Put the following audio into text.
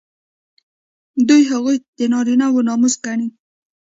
دوی هغوی د نارینه وو ناموس ګڼي.